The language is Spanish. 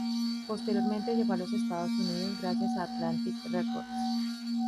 Posteriormente llegó a los Estados Unidos gracias a Atlantic Records.